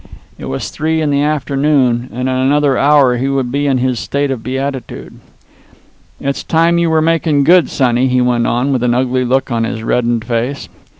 It was three in the afternoon, and in another hour he would be in his state of beatitude. "It's time you were making good, sonny," he went on, with an ugly look on his reddened face.